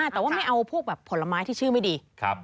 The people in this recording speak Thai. แต่ว่าไม่เอาพวกผลไม้ที่ชื่อไม่ดี